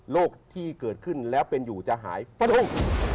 ที่เกิดขึ้นแล้วเป็นอยู่จะหายฟะลง